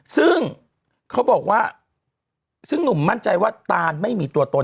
ซึ่งเขาบอกว่าซึ่งหนุ่มมั่นใจว่าตานไม่มีตัวตน